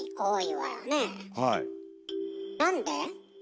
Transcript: なんで？